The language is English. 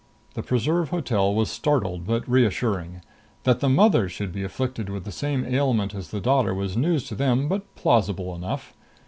The preserve hotel was startled but reassuring. That the mother should be afflicted with the same ailment as the daughter was news to them but plausible enough.